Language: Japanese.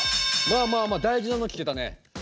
まあまあ大事なの聞けたね。